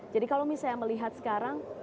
jadi kalau misalnya melihat sekarang